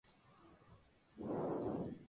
Donde recibe el nombre de serranía del Sapo.